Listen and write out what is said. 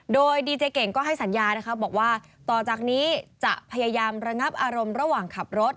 โดยดีเจเก่งก็ให้สัญญานะคะบอกว่าต่อจากนี้จะพยายามระงับอารมณ์ระหว่างขับรถ